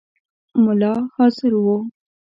مُلا حاضر وو.